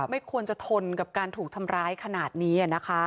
ไม่ควรจะทนกับการถูกทำร้ายขนาดนี้